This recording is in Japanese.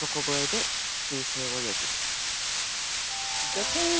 ドキン！